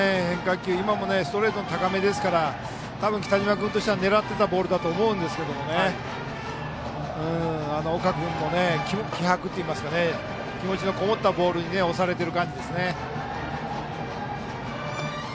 今もストレートの高めですから多分、北島君は狙っていたボールだと思いますが岡君の気迫といいますか気持ちのこもったボールに押されている感じですね。